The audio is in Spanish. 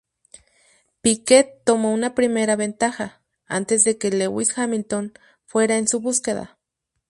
Piquet tomó una primera ventaja, antes de que Lewis Hamilton fuera en su búsqueda.